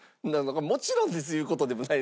「もちろんです」いう事でもないんですけどね。